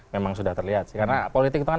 memang sudah terlihat sih karena politik itu kan